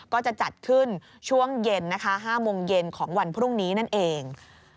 ก็จะจัดขึ้นช่วงเย็นนะคะ๕โมงเย็นของวันพรุ่งนี้นั่นเอง